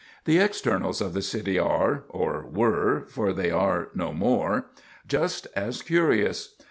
The externals of the city are or were, for they are no more just as curious.